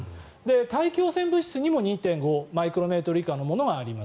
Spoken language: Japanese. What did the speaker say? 大気汚染物質にも２．５マイクロメートル以下のものがあります。